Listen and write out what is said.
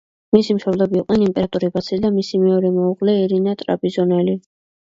მისი მშობლები იყვნენ იმპერატორი ბასილი და მისი მეორე მეუღლე, ირინა ტრაპიზონელი.